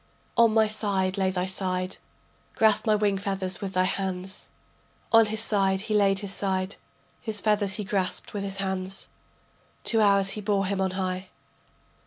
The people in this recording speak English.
On my side lay thy side, Grasp my wing feathers with thy hands. On his side he laid his side, His feathers he grasped with his hands. Two hours he bore him on high.